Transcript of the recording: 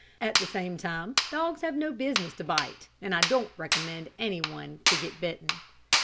At the same time dogs have no business to bite, and I don't recommend any one to get bitten."